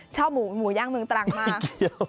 ชอบหมูย่างเมืองตรังมาก